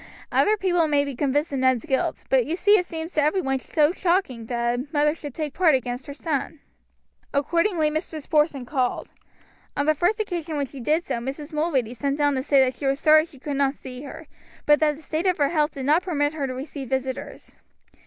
Other people may be convinced of Ned's guilt, but you see it seems to every one to be shocking that a mother should take part against her son." Accordingly Mrs. Porson called. On the first occasion when she did so Mrs. Mulready sent down to say that she was sorry she could not see her, but that the state of her health did not permit her to receive visitors.